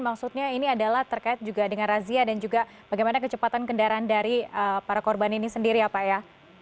maksudnya ini adalah terkait juga dengan razia dan juga bagaimana kecepatan kendaraan dari para korban ini sendiri ya pak ya